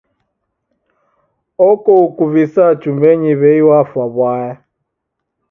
Oko ukuvisaa chumbenyi w'ei wafwa w'aya.